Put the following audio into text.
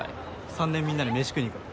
３年みんなで飯食いに行くの。